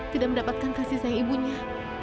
tidak mendapatkan kasih sayang ibunya